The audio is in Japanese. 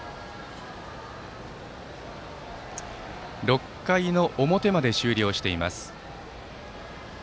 ６回の表まで終了しています。